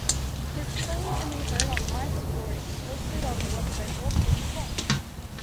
His playing can be heard on live recordings hosted at the website Wolfgang's Vault.